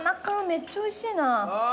めっちゃおいしいな。